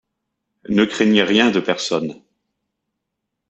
Ne craignez rien de personne.